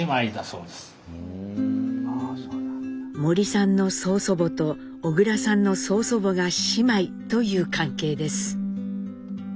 森さんの曽祖母と小倉さんの曽祖母が姉妹という関係です。